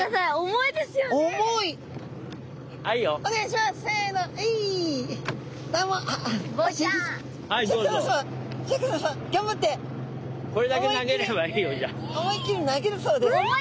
思いっきり投げるそうです。